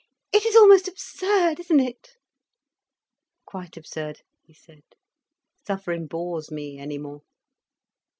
"It is almost absurd, isn't it?" "Quite absurd," he said. "Suffering bores me, any more."